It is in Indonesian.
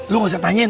lu gak usah tanyain